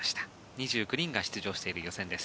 ２９人が出場している予選です。